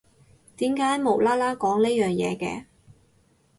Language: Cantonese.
點解無啦啦講呢樣嘢嘅？